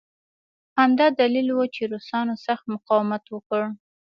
همدا دلیل و چې روسانو سخت مقاومت وکړ